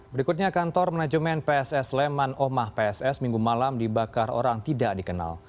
berikutnya kantor manajemen pss leman omah pss minggu malam dibakar orang tidak dikenal